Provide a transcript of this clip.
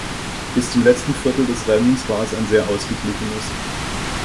Bis zum letzten Viertel des Rennens war es ein sehr Ausgeglichenes.